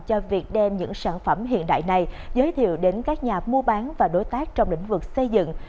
cho việc đem những sản phẩm hiện đại này giới thiệu đến các nhà mua bán và đối tác trong lĩnh vực xây dựng